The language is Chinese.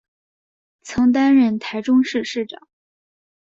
曾担任台中市市长。